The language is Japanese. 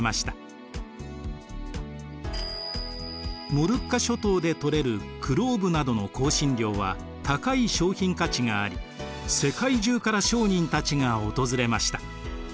モルッカ諸島で採れるクローブなどの香辛料は高い商品価値があり世界中から商人たちがおとずれました。